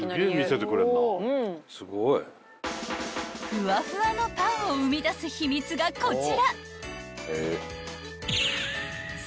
［ふわふわのパンを生み出す秘密がこちら］